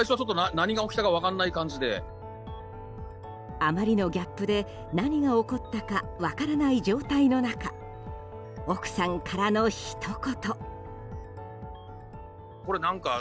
あまりのギャップで何が起こったか分からない状態の中奥さんからのひと言。